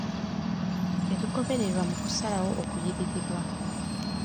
Ebigobererwa mu kusalawo okuliyirirwa.